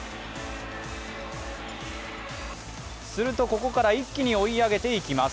するとここから一気に追い上げていきます。